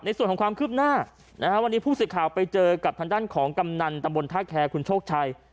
ในส่วนของความคืบหน้าวันนี้ผู้สิทธิ์ข่าวไปเจอกับท่านด้านของกำนันตะบนท่าแคร์คุณโชคชัย